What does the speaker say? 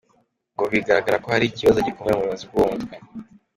Ngo bigaragara ko hari ikibazo gikomeye mu buyobozi bw’uwo mutwe.